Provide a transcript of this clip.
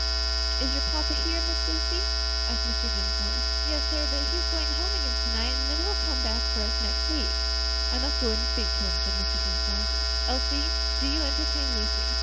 "Is your papa here, Miss Lucy?" asked Mr. Dinsmore. "Yes, sir; but he's going home again to night, and then he'll come back for us next week." "I must go in and speak to him," said Mr. Dinsmore. "Elsie, do you entertain Lucy."